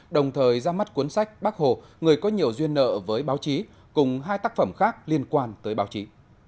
đồng thời ra mắt cuốn sách bác hồ người có nhiều duyên nợ với báo chí cùng hai tác phẩm khác liên quan tới báo chí